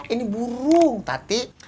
ini burung tati